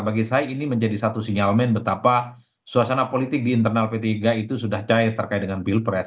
bagi saya ini menjadi satu sinyalmen betapa suasana politik di internal p tiga itu sudah cair terkait dengan pilpres